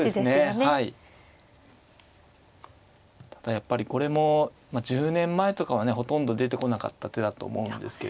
やっぱりこれも１０年前とかはねほとんど出てこなかった手だと思うんですけれども。